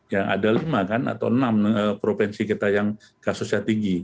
ya ada lima kan atau enam provinsi kita yang kasusnya tinggi